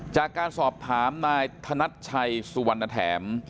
จากการสอบถามนายธนัดชัยสุวรรณแถม